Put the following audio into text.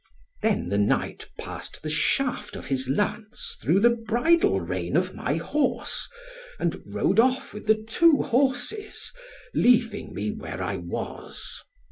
Then the Knight passed the shaft of his lance through the bridle rein of my horse, and rode off with the two horses; leaving me where I was.